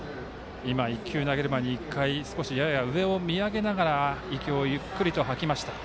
１球を投げる前に上を見上げながら息をゆっくりと吐きました。